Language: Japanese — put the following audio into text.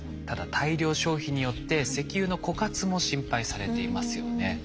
ただ大量消費によって石油の枯渇も心配されていますよね。